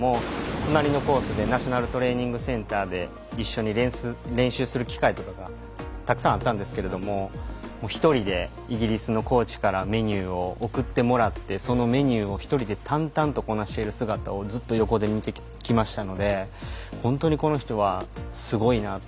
隣のコースでナショナルトレーニングセンターで一緒に練習する機会とかがたくさんあったんですけれども１人でイギリスのコーチからメニューを送ってもらってそのメニューを１人で淡々とこなしている姿をずっと横で見てきましたので本当に、この人はすごいなと。